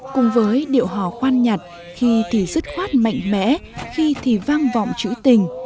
cùng với điệu hò khoan nhặt khi thì dứt khoát mạnh mẽ khi thì vang vọng chữ tình